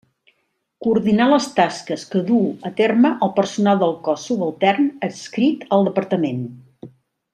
Coordinar les tasques que duu a terme el personal del cos subaltern adscrit al Departament.